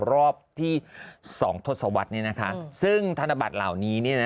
รอบที่สองทัศวรรษนี้นะคะซึ่งธนบัตรเหล่านี้